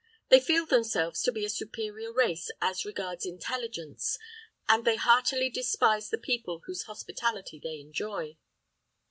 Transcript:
They feel themselves to be a superior race as regards intelligence, and they heartily despise the people whose hospitality they enjoy.